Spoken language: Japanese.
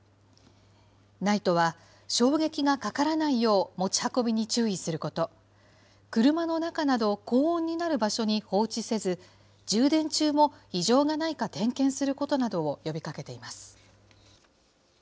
ＮＩＴＥは、衝撃がかからないよう、持ち運びに注意すること、車の中など、高温になる場所に放置せず、充電中も異常がないか点検することなどを呼びかけています。